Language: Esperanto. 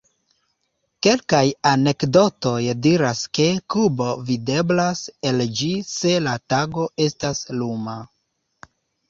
Kelkaj anekdotoj diras ke Kubo videblas el ĝi se la tago estas luma.